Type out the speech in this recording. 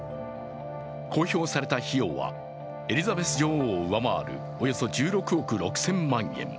公表された費用はエリザベス女王を上回る、およそ１６億６０００万円。